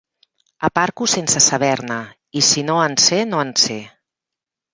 Aparco sense saber-ne, i si no en sé no en sé.